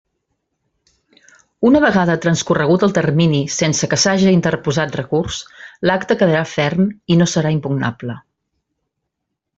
Una vegada transcorregut el termini sense que s'haja interposat recurs, l'acte quedarà ferm i no serà impugnable.